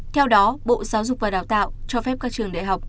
theo đó bộ giáo dục và đào tạo cho phép các trường đại học